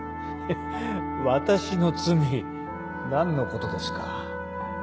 私の罪何のことですか？